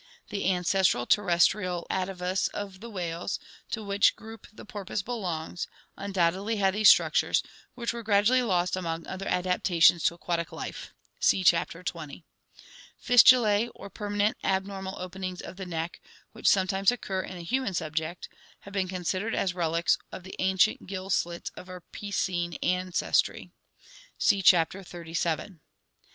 The ancestral terrestrial atavus of the whales, to which group the porpoise belongs, undoubtedly had these structures, which were gradually lost among other adapta tions to aquatic life (see Chapter XX). Fistulas, or permanent abnormal openings of the neck, which sometimes occur in the human subject, have been considered as relics of the ancient gill slits of our piscine ancestry (see Chapter XXXVII).